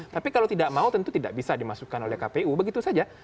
tapi kalau tidak mau tentu tidak bisa dimasukkan oleh kpu begitu saja